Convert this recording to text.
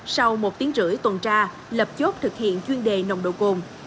sau một tiếng rưỡi tuần tra lập chốt thực hiện chuyên đề nồng độ cồn